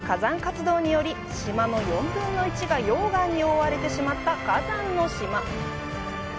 １８世紀の大規模な火山活動により島の４分の１が溶岩に覆われてしまった火山の島。